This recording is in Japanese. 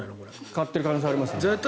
買っている可能性がありますね。